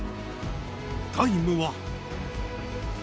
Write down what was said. タイムは。